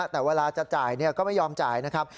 แต่เวลาจะจ่ายก็ไม่ยอมจ่ายนะครับ